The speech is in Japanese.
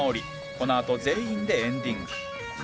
このあと全員でエンディング